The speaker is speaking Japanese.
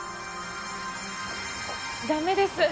駄目です。